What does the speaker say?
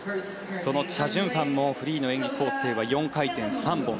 そのチャ・ジュンファンもフリーの演技構成は４回転３本。